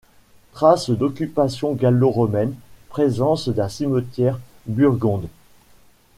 Traces d'occupation gallo-romaine, présence d'un cimetière burgonde.